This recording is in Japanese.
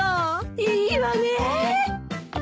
いいわね。